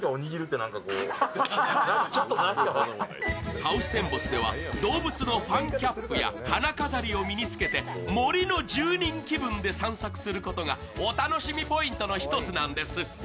ハウステンボスでは動物のファンキャップや花飾りを身につけて森の住人気分で散策することがお楽しみポイントの１つなんです。